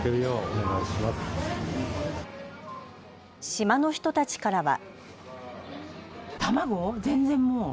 島の人たちからは。